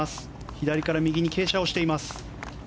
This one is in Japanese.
左から右に傾斜をしています。